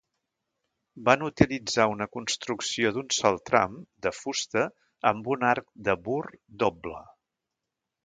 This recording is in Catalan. Van utilitzar una construcció d'un sol tram, de fusta, amb un arc de Burr doble.